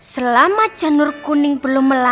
selama canur kuning belum melambai